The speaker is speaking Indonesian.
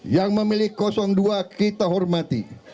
yang memilih dua kita hormati